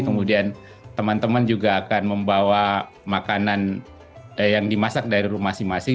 kemudian teman teman juga akan membawa makanan yang dimasak dari rumah masing masing